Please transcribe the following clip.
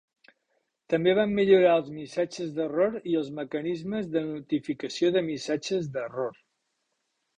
També van millorar els missatges d'error i els mecanismes de notificació de missatges d'error.